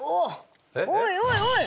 おいおいおい！